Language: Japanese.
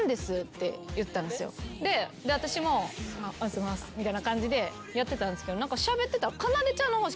で私もありがとうございますみたいな感じでやってたんですけど何かしゃべってたら。